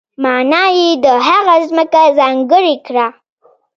معنا یې ده هغه ځمکه ځانګړې کړه.